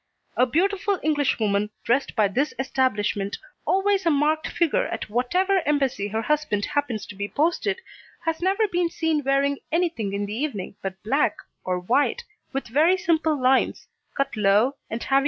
A beautiful Englishwoman dressed by this establishment, always a marked figure at whatever embassy her husband happens to be posted, has never been seen wearing anything in the evening but black, or white, with very simple lines, cut low and having a narrow train.